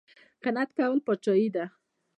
قناعت کول پادشاهي ده